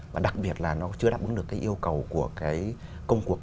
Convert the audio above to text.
và đặc biệt là nó chưa đáp ứng được cái yêu cầu của cái công cuộc